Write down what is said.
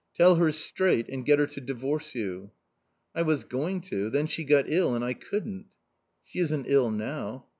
Tell her straight and get her to divorce you." "I was going to. Then she got ill and I couldn't." "She isn't ill now."